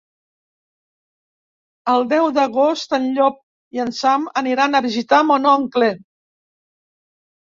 El deu d'agost en Llop i en Sam aniran a visitar mon oncle.